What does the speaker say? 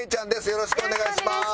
よろしくお願いします。